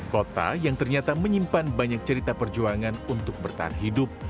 kota yang ternyata menyimpan banyak cerita perjuangan untuk bertahan hidup